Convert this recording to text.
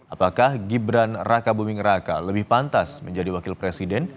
apakah gibran raka buming raka lebih pantas menjadi wakil presiden